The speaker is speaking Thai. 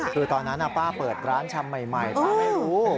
คือตอนนั้นป้าเปิดร้านชำใหม่ป้าไม่รู้